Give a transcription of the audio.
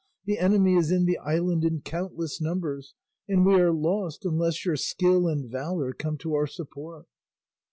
The enemy is in the island in countless numbers, and we are lost unless your skill and valour come to our support."